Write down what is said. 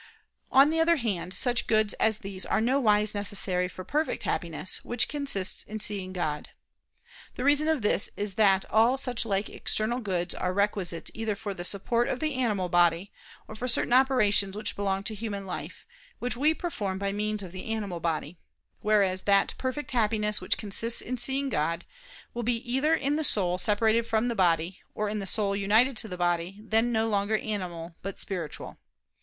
On the other hand, such goods as these are nowise necessary for perfect Happiness, which consists in seeing God. The reason of this is that all suchlike external goods are requisite either for the support of the animal body; or for certain operations which belong to human life, which we perform by means of the animal body: whereas that perfect Happiness which consists in seeing God, will be either in the soul separated from the body, or in the soul united to the body then no longer animal but spiritual.